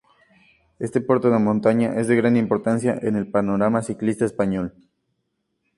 Este puerto de montaña es de gran importancia en el panorama ciclista español.